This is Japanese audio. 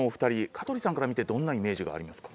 香取さんから見てどんなイメージがありますか？